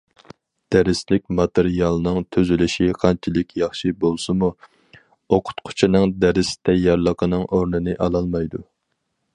دەرسلىك ماتېرىيالنىڭ تۈزۈلۈشى قانچىلىك ياخشى بولسىمۇ، ئوقۇتقۇچىنىڭ دەرس تەييارلىقىنىڭ ئورنىنى ئالالمايدۇ.